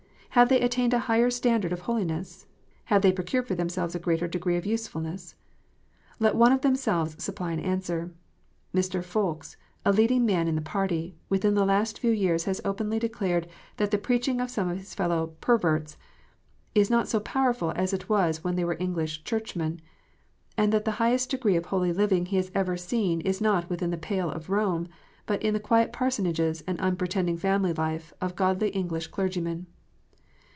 Have they attained a higher standard of holi ness 1 Have they procured for themselves a greater degree of usefulness? Let one of themselves supply an answer. Mr. Ffoulkes, a leading man in the party, within the last few years has openly declared that the preaching of some of his fellow " perverts " is not so powerful as it was when they were English Churchmen, and that the highest degree of holy living he has ever seen is not within the pale of Rome, but in the quiet parsonages and unpretending family life of godly English clergy men